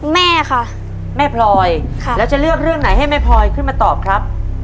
แม่ค่ะแม่พลอยแล้วจะเลือกเรื่องไหนให้แม่พลอยขึ้นมาตอบครับ